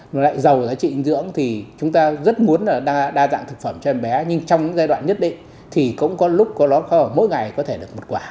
nó lại giàu giá trị dinh dưỡng thì chúng ta rất muốn là đa dạng thực phẩm cho em bé nhưng trong giai đoạn nhất định thì cũng có lúc có mỗi ngày có thể được một quả